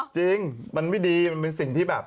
จริงมันไม่ดีมันเป็นสิ่งที่แบบ